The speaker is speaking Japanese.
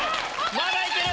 まだ行ける！